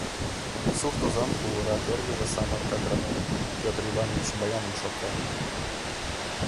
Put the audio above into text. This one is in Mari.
Сурт озан кугурак эргыже самырык агроном, Петр Иванович баяным шокта.